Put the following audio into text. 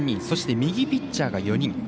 そして、右ピッチャーが４人。